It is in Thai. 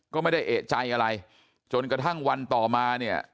ก็ไม่ได้เอกใจอะไรจนกระทั่งวันต่อมาเนี่ย